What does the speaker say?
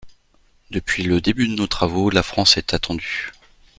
Depuis le début de nos travaux, la France est attendue.